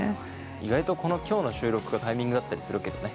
意外とこの今日の収録がタイミングだったりするけどね。